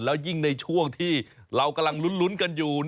แล้วยิ่งในช่วงที่เรากำลังลุ้นกันอยู่